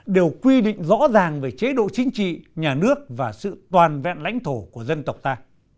đều quy định rõ ràng về chế độ chính trị nhà nước và sự toàn vẹn lãnh thổ của dân tộc ta